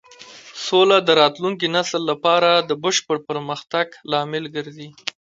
سوله د راتلونکي نسل لپاره د بشپړ پرمختګ لامل ګرځي.